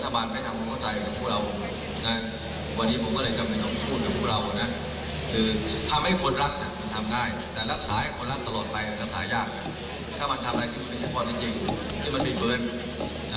ถ้ามันทำอะไรที่มันไม่ใช่ความจริงที่มันบินเบิ้ล